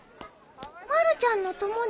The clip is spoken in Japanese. まるちゃんの友達？